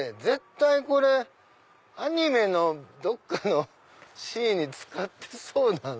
絶対これアニメのどっかのシーンに使ってそうだな。